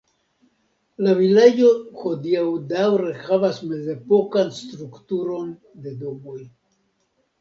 La vilaĝo hodiaŭ daŭre havas mezepokan strukturon de domoj.